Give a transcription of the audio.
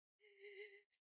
aku tak hidup